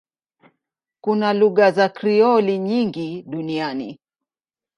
Kuna lugha za Krioli nyingi duniani.